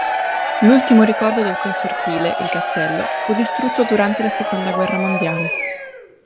L'ultimo ricordo del consortile, il castello, fu distrutto durante la seconda guerra mondiale.